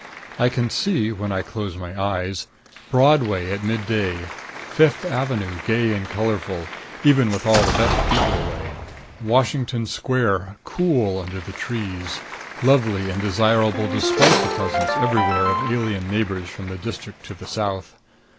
I can see, when I close my eyes, Broadway at midday; Fifth Avenue, gay and colorful, even with all the best people away; Washington Square, cool under the trees, lovely and desirable despite the presence everywhere of alien neighbors from the district to the South.